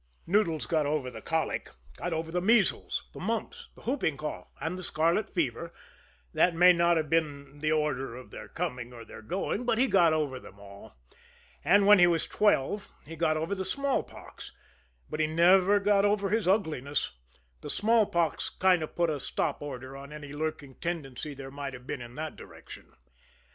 Noodles got over the colic, got over the measles, the mumps, the whooping cough, and the scarlet fever that may not have been the order of their coming or their going, but he got over them all. And when he was twelve he got over the smallpox; but he never got over his ugliness the smallpox kind of put a stop order on any lurking tendency there might have been in that direction.